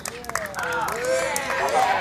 د افغانستان راتلونکی زموږ په لاسونو کې دی.